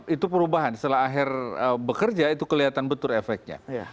itu perubahan setelah akhir bekerja itu kelihatan betul efeknya